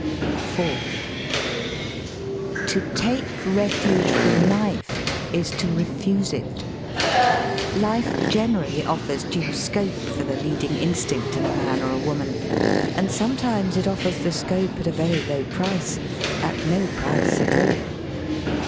IV To take refuge from life is to refuse it. Life generally offers due scope for the leading instinct in a man or a woman ; and sometimes it offers the scope at a very low price, at no price at all.